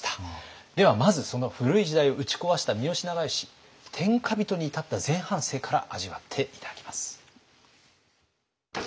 ではまずその古い時代を打ち壊した三好長慶天下人に至った前半生から味わって頂きます。